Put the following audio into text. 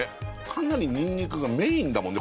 かなりにんにくがメインだもんね